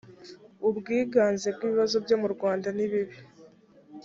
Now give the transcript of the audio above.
ubwiganze bw ibibazo byo murwanda nibibi